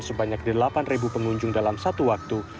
sebanyak delapan pengunjung dalam satu waktu